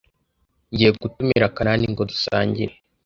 Ngiye gutumira Kanani ngo dusangire.